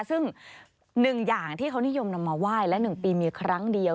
ซึ่ง๑อย่างที่เขานิยมนำมาไหว้และ๑ปีมีครั้งเดียว